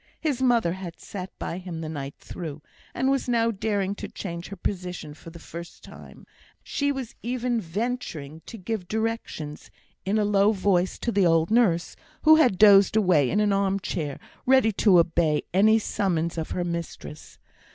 His mother had sat by him the night through, and was now daring to change her position for the first time; she was even venturing to give directions in a low voice to the old nurse, who had dozed away in an arm chair, ready to obey any summons of her mistress.